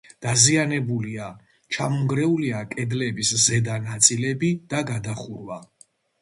დაზიანებულია: ჩამონგრეულია კედლების ზედა ნაწილები და გადახურვა.